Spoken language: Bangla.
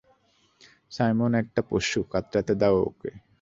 সাইমন একটা পশু, কাতরাতে দাও ওকে!